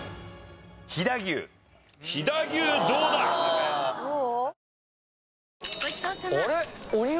飛騨牛どうだ？どう？